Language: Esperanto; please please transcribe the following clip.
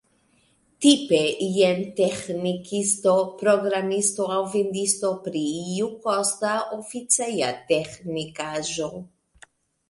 Tipe jen teĥnikisto, programisto, aŭ vendisto pri iu kosta oficeja teĥnikaĵo.